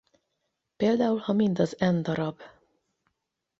Például ha mind az n db.